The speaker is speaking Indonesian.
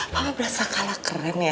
papa berasa kalah keren ya